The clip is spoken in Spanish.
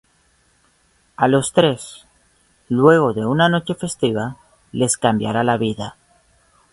A los tres, luego de una noche festiva, les cambiará la vida.